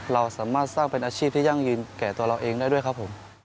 เราสามารถสร้างเป็นอาชีพที่ยั่งยืนแก่ตัวเราเองได้ด้วยครับผม